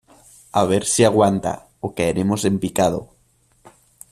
a ver si aguanta, o caeremos en picado.